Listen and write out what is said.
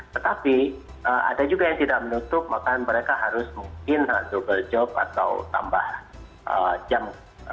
tetapi ada juga yang tidak menutup maka mereka harus mungkin double job atau tambah jam